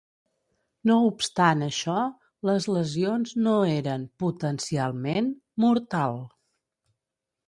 No obstant això, les lesions no eren potencialment mortal.